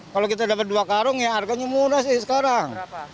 kalau kita dapat dua karung ya harganya murah sih sekarang